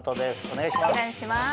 お願いします。